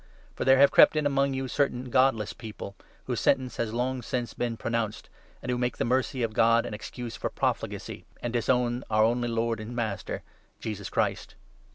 For there have 4 crept in among you certain godless people, whose sentence has long since been pronounced, and who make the mercy of God an excuse for profligacy, and disown our only lord and master, Jesus Christ.